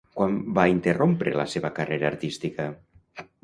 Quan va interrompre la seva carrera artística?